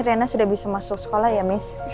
rena sudah bisa masuk sekolah ya miss